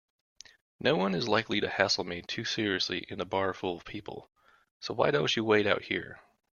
Noone is likely to hassle me too seriously in a bar full of people, so why don't you wait out here?